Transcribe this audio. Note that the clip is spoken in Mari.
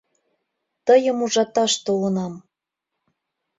Тыйым ужаташ толынам...